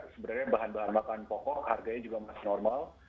sebenarnya bahan bahan makanan pokok harganya juga masih normal